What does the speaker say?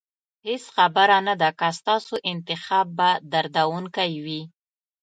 هېڅ خبره نه ده که ستاسو انتخاب به دردونکی وي.